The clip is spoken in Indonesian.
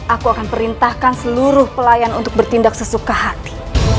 aku akan perintahkan seluruh pelayan untuk bertindak sesuka hati